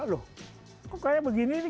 loh kok kayak begini nih